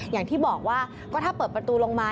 อย่างที่บอกว่าก็ถ้าเปิดประตูลงมา